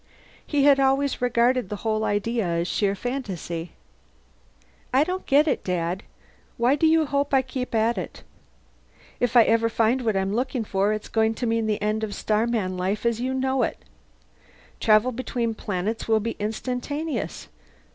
He had always regarded the whole idea as sheer fantasy. "I don't get it, Dad. Why do you hope I keep at it? If I ever find what I'm looking for, it's going to mean the end of Starman life as you know it. Travel between planets will be instantaneous.